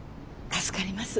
助かります。